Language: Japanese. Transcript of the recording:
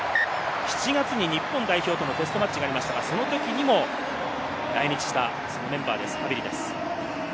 ７月に日本代表とのテストマッチがありましたが、そのときにも来日したメンバーです、ハヴィリです。